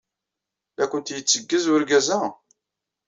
La kent-yetteggez urgaz-a?